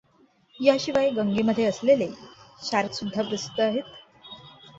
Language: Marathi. याशिवाय गंगेमध्ये असलेले शार्कसुद्धा प्रसिद्ध आहेत.